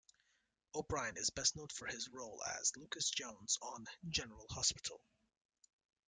O'Brien is best known for his role as Lucas Jones on "General Hospital".